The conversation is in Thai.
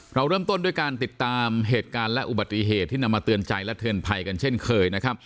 เราเริ่มต้นด้วยการติดตามเหตุการณ์และอุบัติเหตุที่นำมาเตือนใจและเตือนภัยกันเช่นเคยนะครับ